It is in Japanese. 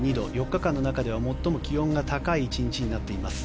４日間の中では最も気温が高い１日になっています。